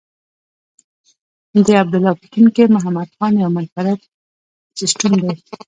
د عبدالله په ټیم کې محمد خان یو منفرد سیسټم دی.